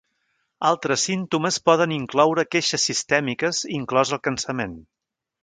Altres símptomes poden incloure queixes sistèmiques, inclòs el cansament.